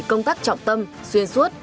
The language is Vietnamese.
công tác trọng tâm xuyên suốt